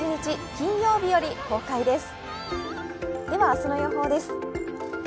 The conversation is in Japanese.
金曜日より公開です。